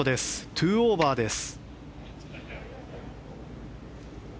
２オーバーです。